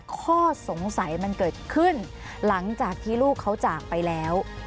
ข้อสงสัยมันเกิดขึ้นหลังจากที่ลูกเขาจากไปแล้ว